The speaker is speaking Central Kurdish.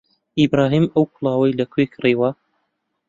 ئیبراهیم ئەو کڵاوەی لەکوێ کڕیوە؟